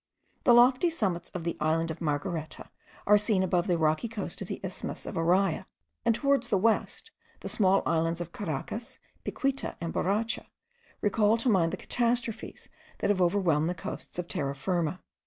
The lofty summits of the island of Margareta are seen above the rocky coast of the isthmus of Araya, and towards the west the small islands of Caracas, Picuita, and Boracha, recall to mind the catastrophes that have overwhelmed the coasts of Terra Firma.